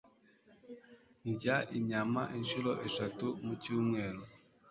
Ndya inyama inshuro eshatu mu cyumweru.